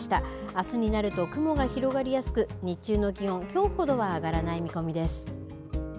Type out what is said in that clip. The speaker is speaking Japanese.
あすになると雲が広がりやすく、日中の気温、きょうほどは上がらない見込みです。